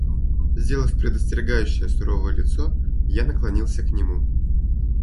Сделав предостерегающее суровое лицо, я наклонился к нему.